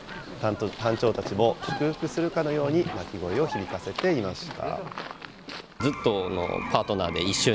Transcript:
タンチョウたちも祝福するかのように鳴き声を響かせていました。